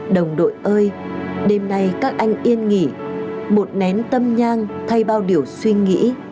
đồng đội ơi đêm nay các anh yên nghỉ một nén tâm nhang thay bao điều suy nghĩ